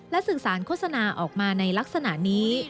และศึกษาคดสนาออกมาในลักษณะนี้